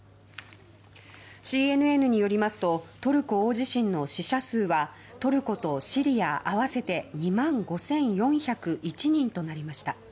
ＣＮＮによりますとトルコ大地震の死者数はトルコとシリア、合わせて２万５４０１人となりました。